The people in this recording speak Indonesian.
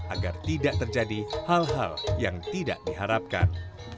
agar tidak terjadi hal hal yang tidak diharapkan